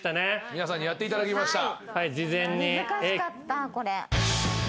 皆さんにやっていただきました。